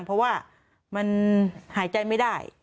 เพราะว่ามันหายใจไม่ได้